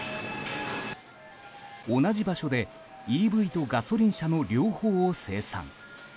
同じ場所でＥＶとガソリン車の両方を生産。